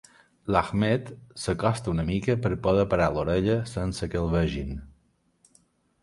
L'Ahmed s'acosta una mica per poder parar orella sense que el vegin.